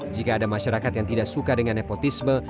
jika ada masyarakat yang tidak suka dengan nepotisme